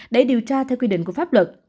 để điều tra theo quy định của pháp luật